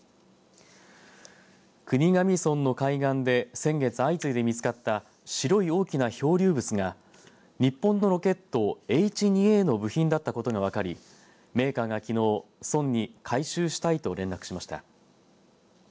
国頭村の海岸で先月相次いで見つかった白い大きな漂流物が日本のロケット、Ｈ２Ａの部品だったことが分かりメーカーがきのう村に回収したいと連絡しました。